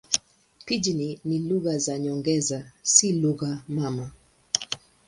Pijini ni lugha za nyongeza, si lugha mama.